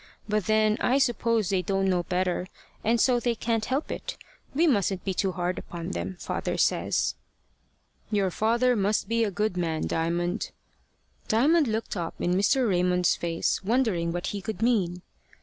But then I suppose they don't know better, and so they can't help it. We mustn't be too hard upon them, father says." "Your father must be a good man, Diamond." Diamond looked up in Mr. Raymond's face, wondering what he could mean.